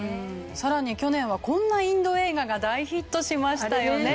更に去年はこんなインド映画が大ヒットしましたよね。